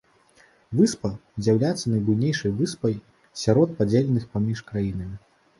Выспа з'яўляецца найбуйнейшай выспай сярод падзеленых паміж краінамі.